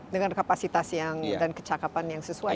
dengan kapasitas dan kecakapan yang sesuai